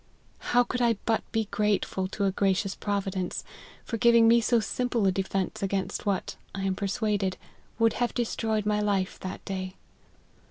How could I but be grateful to a gracious Provi dence, for giving me so simple a defence against what, I am persuaded, would have destroyed my life that day.